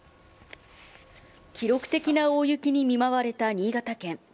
記録的な大雪に見舞われた新潟県。